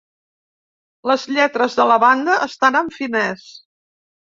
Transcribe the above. Les lletres de la banda estan en finès.